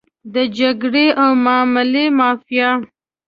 د جګړې او معاملې مافیا.